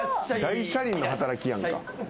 大車輪の働きやんか。